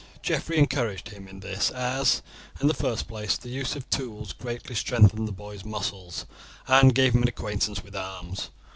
Geoffrey encouraged him in this, as, in the first place, the use of the tools greatly strengthened the boy's muscles, and gave him an acquaintance with arms.